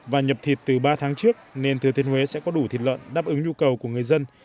và nhập thịt từ ba tháng trước nên thừa thiên huế sẽ có đủ thịt lợn đáp ứng nhu cầu của người dân